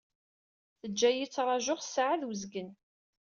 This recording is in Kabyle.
Taǧǧa-yi ttrajuɣ ssaɛa d uzgen.